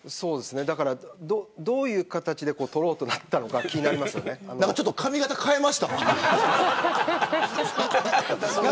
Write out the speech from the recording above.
どういう形で撮ろうとなったのかちょっと髪形変えましたか。